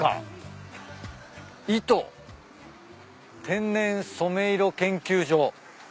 「天然染色研究所」